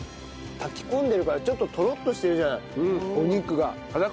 炊き込んでるからちょっととろっとしてるじゃないお肉が。